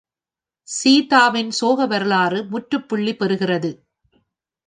சீதாவின் சோக வரலாறு முற்றுப்புள்ளி பெறுகிறது.